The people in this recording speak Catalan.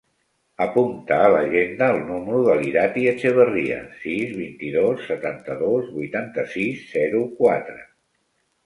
Apunta a l'agenda el número de l'Irati Etxeberria: sis, vint-i-dos, setanta-dos, vuitanta-sis, zero, quatre.